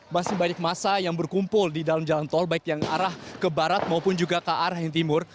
masih banyak masa yang berkumpul di dalam jalan tol baik yang arah ke barat maupun juga ke arah yang timur